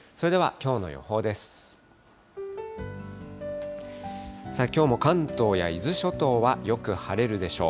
きょうも関東や伊豆諸島はよく晴れるでしょう。